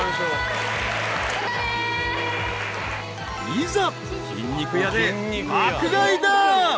［いざ金肉屋で爆買いだ］